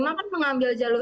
apa yang terjadi